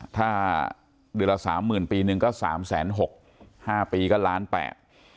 ถ้าเดือนละ๓๐๐๐๐ปีหนึ่งก็๓๖๐๐๐๐๕ปีก็ล้านแปด